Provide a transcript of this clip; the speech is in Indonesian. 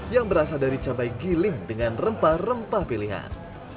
yang berasal dari cabai giling dengan rempah rempah pilihan